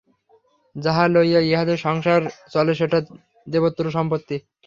যাহা লইয়া ইঁহাদের সংসার চলে সেটা দেবত্র সম্পত্তি।